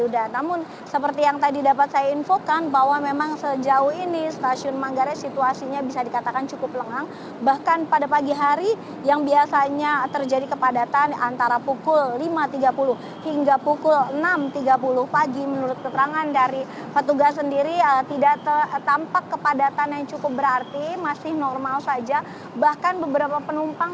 dan selain mengoperasikan tangga manual pada hari pertama usai cuti lebaran